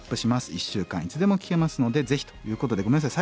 １週間いつでも聴けますのでぜひということでごめんなさい